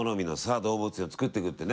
動物園を作っていくってね。